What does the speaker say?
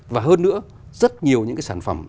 và hơn nữa rất nhiều những cái sản phẩm